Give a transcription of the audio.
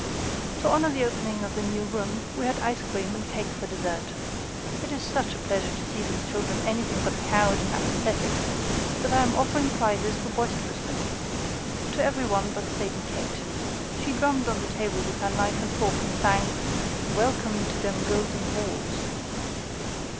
To honor the opening of the new room, we had ice cream and cake for dessert. It is such a pleasure to see these children anything but cowed and apathetic, that I am offering prizes for boisterousness to every one but Sadie Kate. She drummed on the table with her knife and fork and sang, "Welcome to dem golden halls."